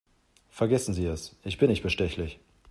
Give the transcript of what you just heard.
Vergessen Sie es, ich bin nicht bestechlich.